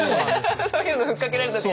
そういうの吹っかけられた時の。